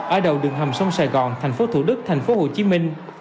ở đầu đường hầm sông sài gòn thành phố thủ đức thành phố hồ chí minh